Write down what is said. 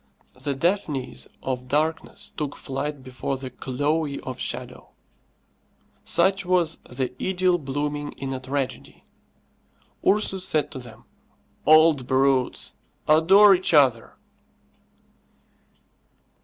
The Daphnis of darkness took flight before the Chloe of shadow. Such was the idyll blooming in a tragedy. Ursus said to them, "Old brutes, adore each other!"